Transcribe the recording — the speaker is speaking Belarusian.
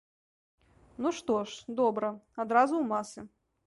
Ну, што ж, добра, адразу ў масы.